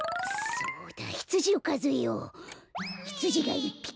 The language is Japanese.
そうだ！